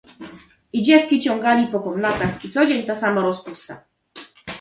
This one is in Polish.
"I dziewki ciągali po komnatach i codzień ta sama rozpusta."